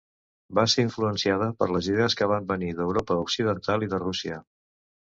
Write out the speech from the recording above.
Va ser influenciada per les idees que van venir d'Europa Occidental i de Rússia.